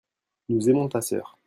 nous aimons ta sœur.